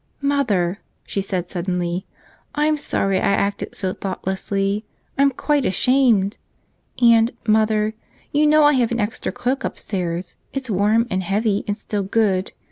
"Mother," she said suddenly, "I'm sorry I acted so thoughtlessly. I'm quite ashamed ! And, mother — you know I have an extra cloak upstairs. It's warm and heavy and still good.